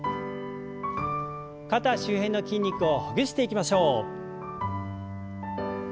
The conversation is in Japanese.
肩周辺の筋肉をほぐしていきましょう。